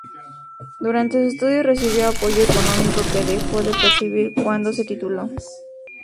Durante sus estudios recibió apoyo económico, que dejó de percibir cuando se tituló.